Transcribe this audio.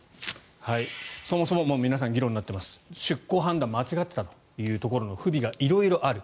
そもそも皆さん議論になっています出港判断が間違っていたというところの不備が色々ある。